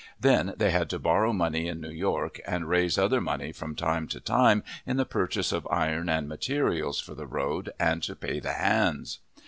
Then they had to borrow money in New York, and raise other money from time to time, in the purchase of iron and materials for the road, and to pay the hands.